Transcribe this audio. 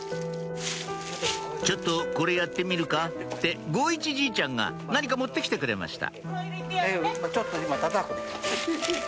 「ちょっとこれやってみるか」ってごういちじいちゃんが何か持って来てくれました